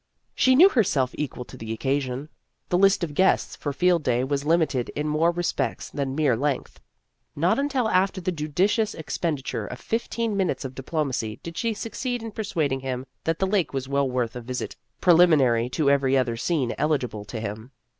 She knew herself equal to the occasion. The list of guests for Field Day was limited in more respects than mere length. Not until after the judicious expenditure of fifteen minutes of diplomacy did she succeed in persuad ing him that the lake was well worth a visit preliminary to every other scene eligible to him.